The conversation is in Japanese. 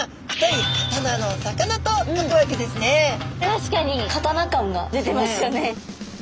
確かに刀感が出てますよね。